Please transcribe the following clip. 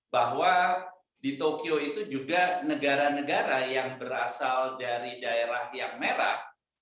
bahwa di tokyo itu juga negara negara yang berasal dari daerah yang merah